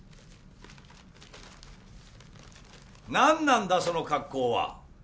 何なんだその格好は。